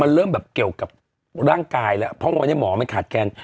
เริ่มแบบเกี่ยวกับร่างกายแล้วเพราะวันนี้หมอมันขาดแคลน